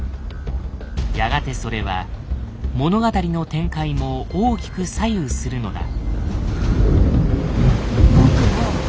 やがてそれは物語の展開も大きく左右するのだ。